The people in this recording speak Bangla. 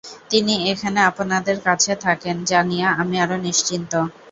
তিনি এখানে আপনার কাছে থাকেন জানিয়া আমি আরো নিশ্চিন্ত।